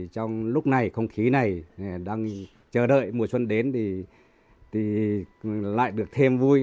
trong lúc này không khí này đang chờ đợi mùa xuân đến thì lại được thêm vui